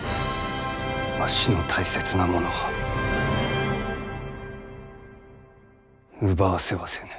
わしの大切なものを奪わせはせぬ。